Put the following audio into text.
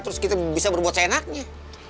terus kita bisa berbuat seenaknya